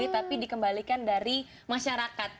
tapi dikembalikan dari masyarakat